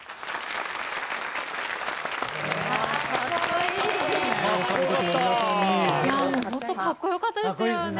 いや、もう本当かっこよかったですよね。